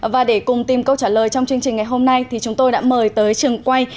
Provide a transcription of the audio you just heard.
và để cùng tìm câu trả lời trong chương trình ngày hôm nay thì chúng tôi đã mời tới trường quay